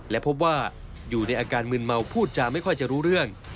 และพบว่าอยู่ในอาการมืนเมาพูดจาไม่ค่อยจะรู้เรื่อง